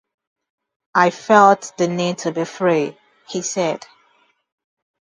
"I felt the need to be free," he said.